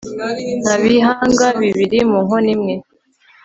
nta bihanga bibiri mu nkono imwe